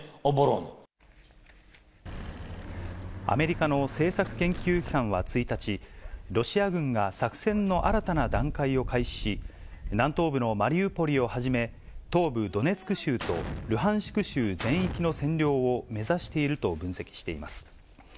アメリカの政策研究機関は１日、ロシア軍が作戦の新たな段階を開始し、南東部のマリウポリをはじめ、東部ドネツク州とルハンシク州全域の占領を目指していると分析しています。